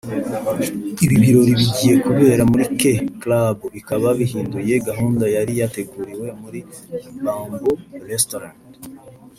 Ibi birori bigiye kubera muri K Club bikaba bihinduye gahunda yari yateguriwe muri Bamboo Restaurant